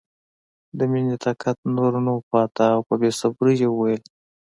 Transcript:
د مینې طاقت نور نه و پاتې او په بې صبرۍ یې وویل